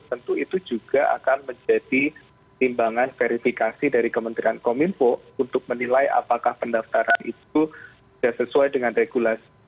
tentu itu juga akan menjadi timbangan verifikasi dari kementerian kominfo untuk menilai apakah pendaftaran itu sudah sesuai dengan regulasi